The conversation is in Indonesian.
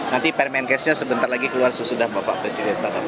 nanti perminkasnya sebentar lagi keluar sesudah bapak presiden tak akan ambil